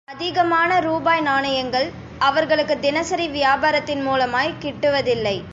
அதிகமான ரூபாய் நாணயங்கள், அவர்களுக்குத் தினசரி வியாபாரத்தின் மூலமாய்க் கிட்டுவதில்லை.